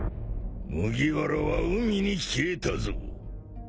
麦わらは海に消えたぞ。